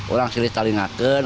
orang sendiri selalu ingatkan